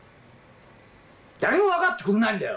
誰も分かってくれないんだよ。